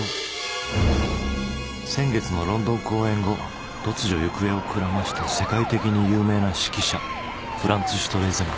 先月のロンドン公演後突如行方をくらました世界的に有名な指揮者フランツ・シュトレーゼマン。